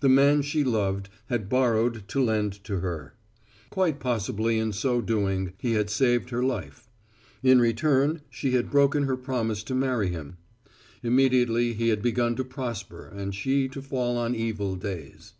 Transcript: The man she loved had borrowed to lend to her. Quite possibly in so doing he had saved her life. In return she had broken her promise to marry him. Immediately he had begun to prosper and she to fall on evil days.